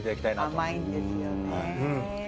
甘いんですよね。